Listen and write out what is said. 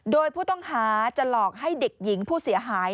โดยผู้ต้องหาจะหลอกให้เด็กหญิงผู้เสียหาย